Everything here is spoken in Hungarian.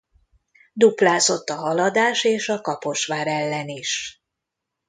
Duplázott a Haladás és a Kaposvár ellen is.